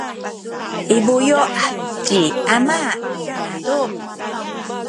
i buyu’ ci ama miadup